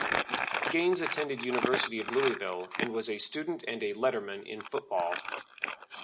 Gaines attended University of Louisville, and was a student and a letterman in football.